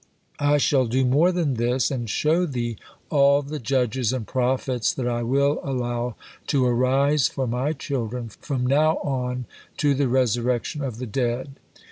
I shall do more than this, and show thee all the judges and prophets that I will allow to arise for My children from not on to the resurrection of the dead."